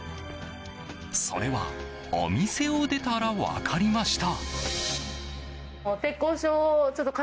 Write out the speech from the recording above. それは、お店を出たら分かりました。